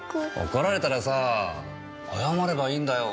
怒られたらさ謝ればいいんだよ。